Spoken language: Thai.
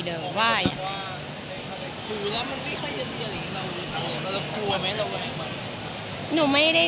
คุณก็ไม่รู้อาจจะถืออะไรอย่างนี้